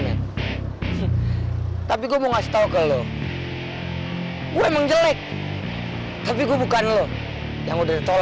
mana sekarang sok kegantengan lagi pake rebut reva dari boy